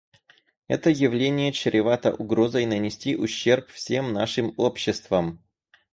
Это явление чревато угрозой нанести ущерб всем нашим обществам.